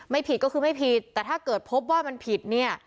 ผิดก็คือไม่ผิดแต่ถ้าเกิดพบว่ามันผิดเนี่ย